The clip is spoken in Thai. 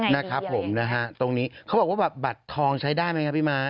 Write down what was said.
นะครับผมนะฮะตรงนี้เขาบอกว่าแบบบัตรทองใช้ได้ไหมครับพี่ม้า